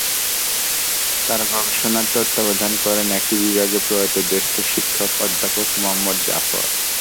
তাঁর গবেষণার তত্ত্বাবধান করেন একই বিভাগের প্রয়াত জ্যেষ্ঠ শিক্ষক অধ্যাপক মোহাম্মদ জাফর।